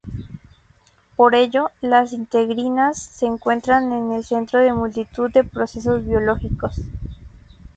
Por ello, las integrinas se encuentran en el centro de multitud de procesos biológicos.